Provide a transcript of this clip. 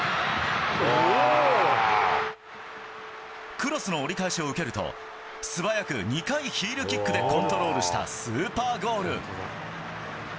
クロスの折り返しを受けると、素早く２回ヒールキックでコントロールしたスーパーゴール。